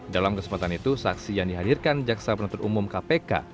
dalam kesempatan itu saksi yang dihadirkan jaksa penuntut umum kpk